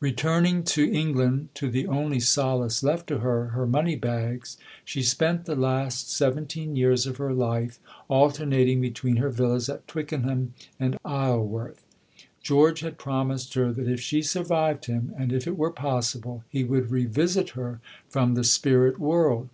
Returning to England, to the only solace left to her her money bags she spent the last seventeen years of her life alternating between her villas at Twickenham and Isleworth. George had promised her that if she survived him, and if it were possible, he would revisit her from the spirit world.